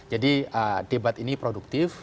jadi debat ini produktif